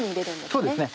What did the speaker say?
そうですね。